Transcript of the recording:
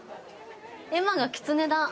絵馬がキツネだ。